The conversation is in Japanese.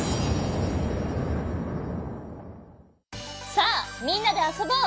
さあみんなであそぼう！